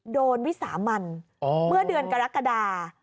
วิสามันเมื่อเดือนกรกฎา